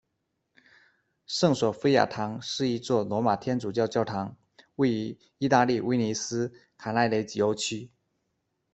圣索非亚堂是一座罗马天主教教堂，位于意大利威尼斯卡纳雷吉欧区。